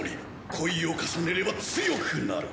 恋を重ねれば強くなる！